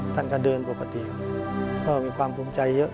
ท่านก็เดินปกติก็มีความภูมิใจเยอะ